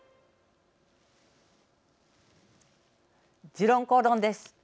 「時論公論」です。